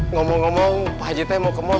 ngomong ngomong pak haji teh mau kemau